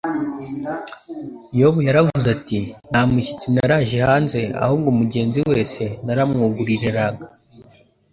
Yobu yaravuze ati: «Nta mushyitsi naraje hanze ahubwo umugenzi wese naramwugururiraga.»